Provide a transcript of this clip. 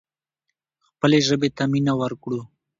خپلې ژبې ته مینه ورکړو.